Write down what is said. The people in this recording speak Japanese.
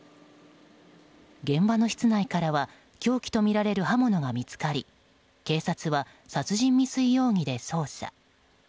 現場の室内からは凶器とみられる刃物が見つかり警察は、殺人未遂容疑で捜査。